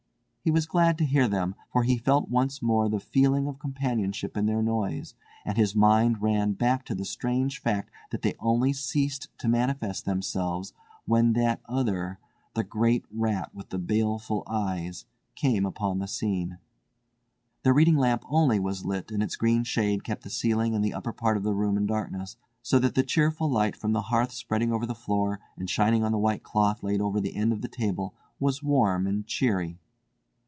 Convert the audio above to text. He was glad to hear them, for he felt once more the feeling of companionship in their noise, and his mind ran back to the strange fact that they only ceased to manifest themselves when that other—the great rat with the baleful eyes—came upon the scene. The reading lamp only was lit and its green shade kept the ceiling and the upper part of the room in darkness, so that the cheerful light from the hearth spreading over the floor and shining on the white cloth laid over the end of the table was warm and cheery.